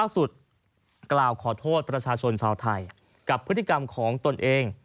ส่วนชาวไทยกับพฤติกรรมของตนเอง